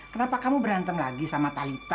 kenapa kamu berantem lagi sama talitha